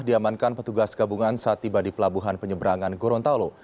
diamankan petugas gabungan saat tiba di pelabuhan penyeberangan gorontalo